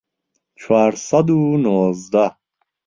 چوار سەد و نۆزدە